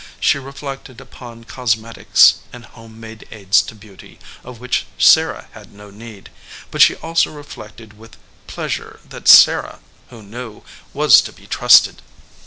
She reflected upon cosmetics and home made aids to beauty, of which Sarah had no need, but she also reflected with pleasure that Sarah, who knew, was to be trusted.